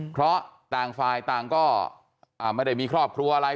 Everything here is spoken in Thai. เพราะต่างฝ่ายต่างก็ไม่ได้มีครอบครัวอะไร